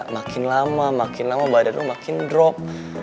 makin lama makin lama badan makin drop